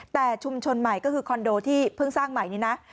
แต่ชุมชนใหม่ก็คือคอนโดที่เพิ่งสร้างใหม่นี่นะ